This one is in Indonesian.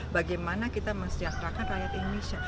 bagaimana kita mensejahterakan rakyat indonesia